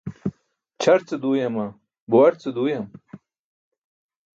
Ćʰar ce duuyama, buwar ce duuyam?